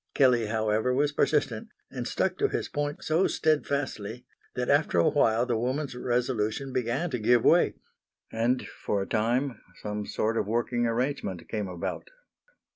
Kelley, however, was persistent, and stuck to his point so stedfastly that after a while the woman's resolution began to give way, and for a time some sort of working arrangement came about.